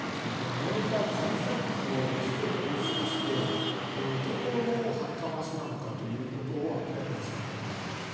燃えた残さ物を全て押収してどこの発火場所なのかを明らかにしなきゃいけない。